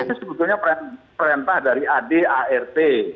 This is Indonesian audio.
ini sebetulnya perhentah dari ad art